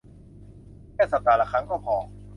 แค่สัปดาห์ละครั้งก็พอ